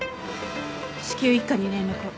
至急一課に連絡を。